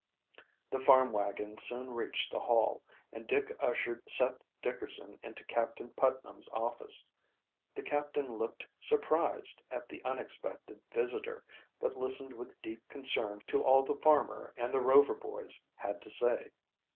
The farm wagon soon reached the Hall, and Dick ushered Seth Dickerson into Captain Putnam's office. The captain looked surprised at the unexpected visitor, but listened with deep concern to all the farmer and the Rover boys had to say.